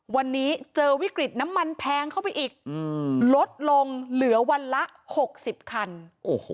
วันนี้เจอวิกฤตน้ำมันแพงเข้าไปอีกอืมลดลงเหลือวันละหกสิบคันโอ้โห